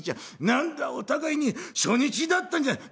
「何だお互いに初日だったんじゃない」。